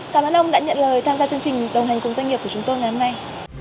cảm ơn ông đã nhận lời tham gia chương trình đồng hành cùng doanh nghiệp của chúng tôi ngày hôm nay